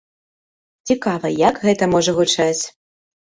Цікава, як гэта можа гучаць.